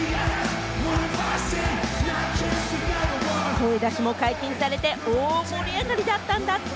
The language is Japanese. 声出しも解禁されて大盛り上がりだったんだって。